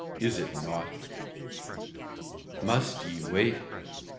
Is it naught? Must ye wait?